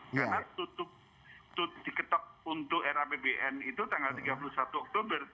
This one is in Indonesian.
karena tutup diketok untuk rapbn itu tanggal tiga puluh satu oktober